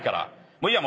もういいや。